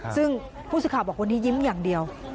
ซึ่งผู้สื่อข่าวบอกวันนี้ยิ้มอย่างเดียว